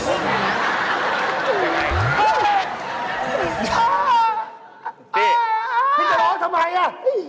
พี่จะร้องทำไม